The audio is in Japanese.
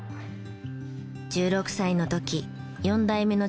１６歳の時４代目の父が急逝。